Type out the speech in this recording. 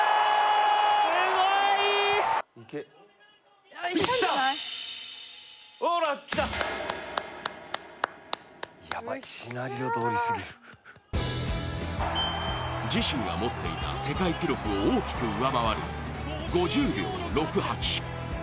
すごい！自身が持っていた世界記録を大きく上回る５０秒６８。